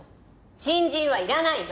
新人はいらないの！